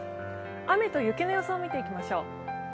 雨と雪の予想を見ていきましょう。